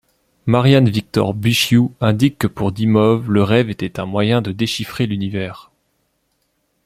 Marian-Victor Buciu indique que pour Dimov, le rêve était un moyen de déchiffrer l'univers.